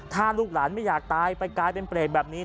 ถ้าลูกหลานไม่อยากตายไปกลายเป็นเปรตแบบนี้